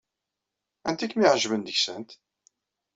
Anta ay kem-iɛejben deg-sent?